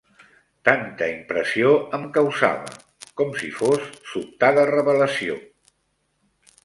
Tanta impressió em causava com si fos sobtada revel·lació.